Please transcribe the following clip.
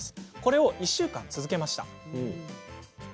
これを１週間続けました。